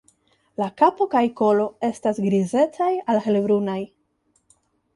La kapo kaj kolo estas grizecaj al helbrunaj.